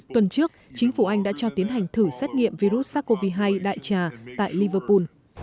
tuần trước chính phủ anh đã cho tiến hành thử xét nghiệm virus sars cov hai đại trà tại liverpool